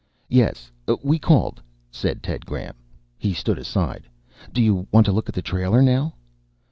"Yes, we called," said Ted Graham. He stood aside. "Do you want to look at the trailer now?"